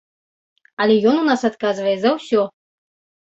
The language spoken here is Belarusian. Але ён у нас адказвае за ўсё!